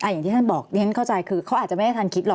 อย่างที่ท่านบอกเขาอาจจะไม่ได้ทันคิดหรอก